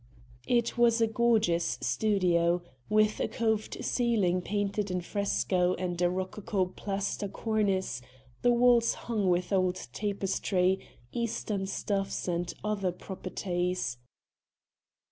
It was a gorgeous studio, with a coved ceiling painted in fresco and a rococo plaster cornice, the walls hung with old tapestry, eastern stuffs and other "properties."